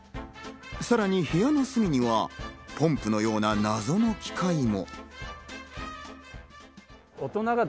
さらに部屋の隅にはポンプのような謎の機械も。